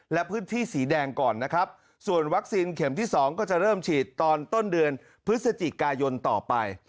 และพื้นที่สีแดงก่อนนะครับส่วนวัคซีนเข็มที่๒ก็จะเริ่มฉีดตอนต้นเดือนพฤศจิกายนต่อไป